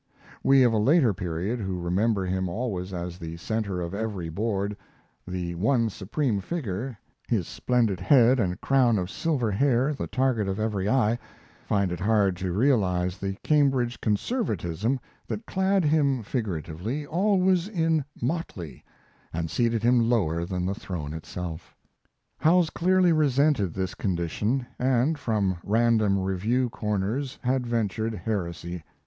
We of a later period, who remember him always as the center of every board the one supreme figure, his splendid head and crown of silver hair the target of every eye find it hard to realize the Cambridge conservatism that clad him figuratively always in motley, and seated him lower than the throne itself. Howells clearly resented this condition, and from random review corners had ventured heresy.